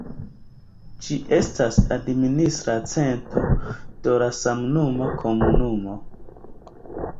Ĝi estas administra centro de la samnoma komunumo.